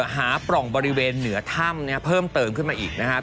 หาปล่องบริเวณเหนือถ้ำเนี่ยเพิ่มเติมขึ้นมาอีกนะฮะ